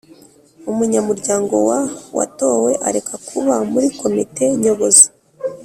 Umunyamuryango wa watowe areka kuba muri Komite Nyobozi